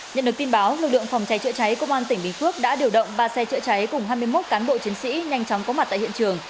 nhận được tin báo lực lượng phòng cháy chữa cháy công an tỉnh bình phước đã điều động ba xe chữa cháy cùng hai mươi một cán bộ chiến sĩ nhanh chóng có mặt tại hiện trường